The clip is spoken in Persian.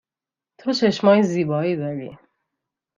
تو چشم های زیبایی داری.